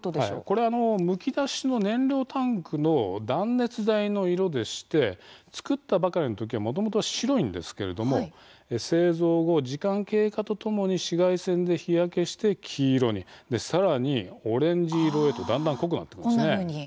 これは、むき出しの燃料タンクの断熱材の色でして作ったばかりの時はもともと白いんですけれども製造後、時間経過とともに紫外線で日焼けして黄色にさらにオレンジ色へとだんだん濃くなっていくんですね。